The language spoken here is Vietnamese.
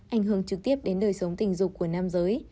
ảnh hưởng trực tiếp đến đời sống tình dục của nam giới